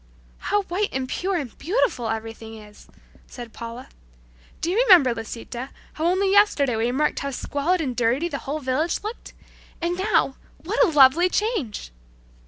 "How white and pure and beautiful everything is!" said Paula. "Do you remember, Lisita, how only yesterday we remarked how squalid and dirty the whole village looked? And now, what a lovely change!"